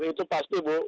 itu pasti bu